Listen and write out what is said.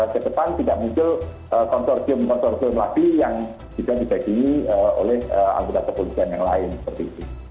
ke depan tidak muncul konsorsium konsorsium lagi yang bisa dibagi oleh anggota kepolisian yang lain seperti itu